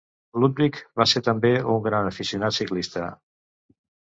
Ludwig va ser també un gran aficionat ciclista.